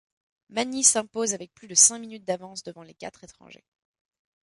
Magni s'impose avec plus de cinq minutes d'avance devant quatre étrangers.